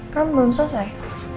kamu belum selesai